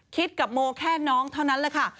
คิดกับโมแค่น้องเท่านั้นแหละค่ะ